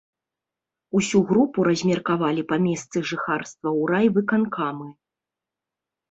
Усю групу размеркавалі па месцы жыхарства ў райвыканкамы.